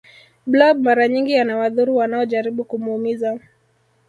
blob mara nyingi anawadhuru wanaojaribu kumuumiza